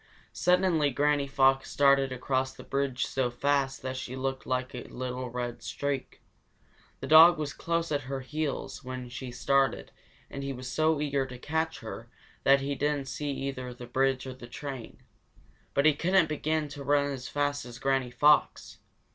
Suddenly Granny Fox started across the bridge so fast that she looked like a little red streak. The dog was close at her heels when she started and he was so eager to catch her that he didn't see either the bridge or the train. But he couldn't begin to run as fast as Granny Fox.